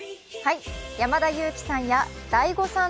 山田裕貴さんやダイゴさん